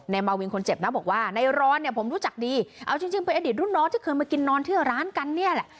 ในเมาวิงคนเจ็บนะบอกว่าในรอนผมรู้จักดีเอาจริงไปอดีตรุ่นน้องที่เคยมากินนอนที่ร้านกันเนี่ยแหละ